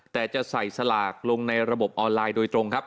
แต่จะใส่สลากลงในระบบออนไลน์โดยตรงครับ